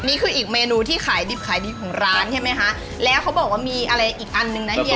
นี่คืออีกเมนูที่ขายดิบขายดีของร้านใช่ไหมคะแล้วเขาบอกว่ามีอะไรอีกอันนึงนะเฮีย